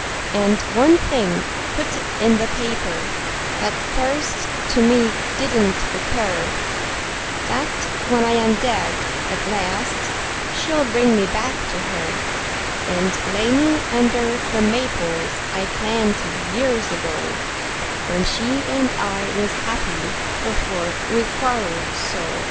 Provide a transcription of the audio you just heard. And one thing put in the paper, that first to me didn't occur: That when I am dead at last she'll bring me back to her; And lay me under the maples I planted years ago, When she and I was happy before we quarreled so.